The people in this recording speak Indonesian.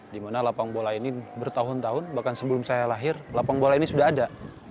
dimana lapang bola ini bertahun tahun bahkan sebelum saya lahir lapang bola ini sudah ada